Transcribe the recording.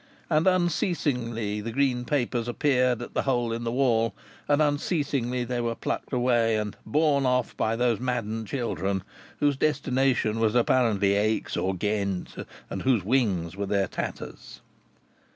And unceasingly the green papers appeared at the hole in the wall and unceasingly they were plucked away and borne off by those maddened children, whose destination was apparently Aix or Ghent, and whose wings were their tatters.